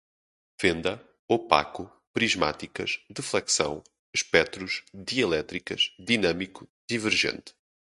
fenda, opaco, prismáticas, deflexão, espectros, dielétricas, dinâmico, divergente